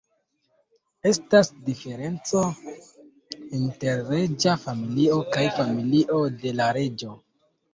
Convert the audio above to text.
Estas diferenco inter reĝa familio kaj familio de la reĝo.